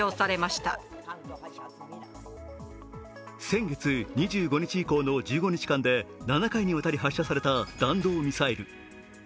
先月２５日以降の１５日間で７回にわたり発射された弾道ミサイル。